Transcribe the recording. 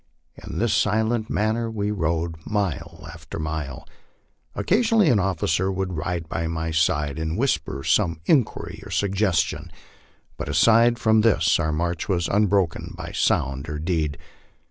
In this silent man ner we rode mile after mile. Occasionally an officer would ride by my side and whisper some inquiry or suggestion, but aside from this our march was unbro ken by sound or deed.